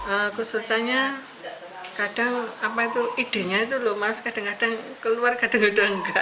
aku sukanya kadang apa itu idenya itu loh mas kadang kadang keluar kadang kadang enggak